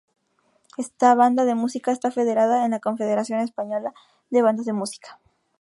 Esta banda de música esta federada en la Confederación Española de Bandas de Música.